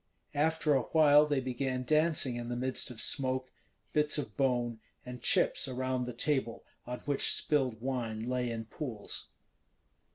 After a while they began dancing in the midst of smoke, bits of bone, and chips around the table on which spilled wine lay in pools.